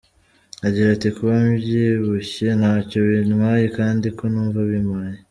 agira ati "kuba mbyibushye ntacyo bibintwaye kandi ko numva bimpaye.